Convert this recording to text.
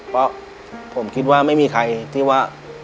เพราะผมคิดว่าไม่มีใครที่ว่า